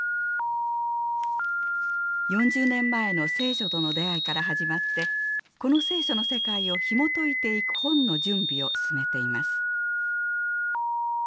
４０年前の聖書との出会いから始まってこの聖書の世界をひもといていく本の準備を進めています。